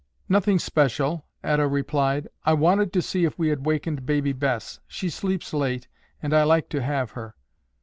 "Nothing special," Etta replied. "I wanted to see if we had wakened Baby Bess. She sleeps late and I like to have her."